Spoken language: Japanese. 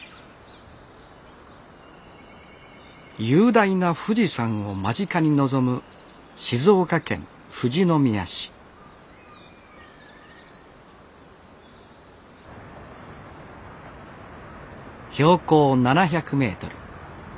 雄大な富士山を間近に臨む静岡県富士宮市標高７００メートル。